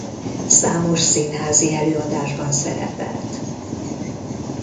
Számos színházi előadásban szerepelt.